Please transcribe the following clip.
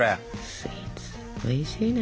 スイーツおいしいね。